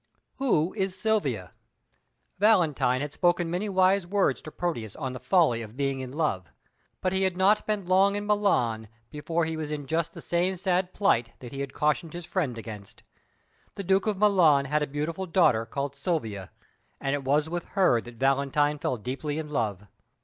"Who is Silvia?" Valentine had spoken many wise words to Proteus on the folly of being in love, but he had not been long in Milan before he was in just the same sad plight that he had cautioned his friend against. The Duke of Milan had a beautiful daughter called Silvia, and it was with her that Valentine fell deeply in love.